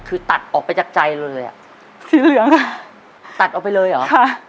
คือตัดออกไปจากใจเราเลยอ่ะสีเหลืองอ่ะตัดออกไปเลยเหรอค่ะ